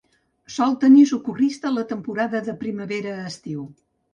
Sol tenir socorrista a la temporada de primavera-estiu.